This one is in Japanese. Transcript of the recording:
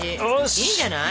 いいんじゃない？